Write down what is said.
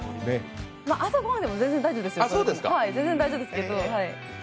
朝ごはんでも全然大丈夫ですよ。